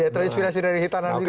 terinspirasi dari hitanan juga